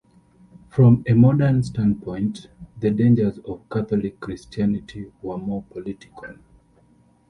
From a modern standpoint, the dangers of Catholic Christianity were more political.